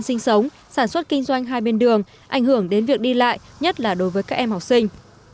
sinh sống sản xuất kinh doanh hai bên đường ảnh hưởng đến việc đi lại nhất là đối với các em học sinh